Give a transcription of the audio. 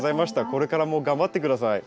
これからも頑張って下さい。